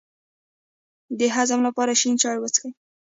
د هضم لپاره شین چای وڅښئ